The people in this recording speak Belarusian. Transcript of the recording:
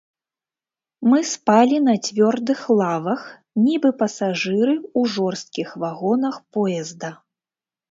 Мы спалі на цвёрдых лавах, нібы пасажыры ў жорсткіх вагонах поезда.